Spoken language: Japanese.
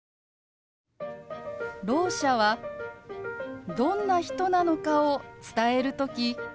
ろう者はどんな人なのかを伝える時